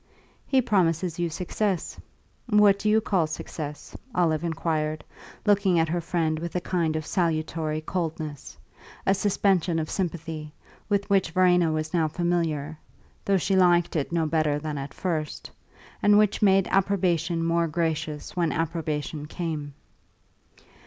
"He promises you success. What do you call success?" Olive inquired, looking at her friend with a kind of salutary coldness a suspension of sympathy with which Verena was now familiar (though she liked it no better than at first), and which made approbation more gracious when approbation came.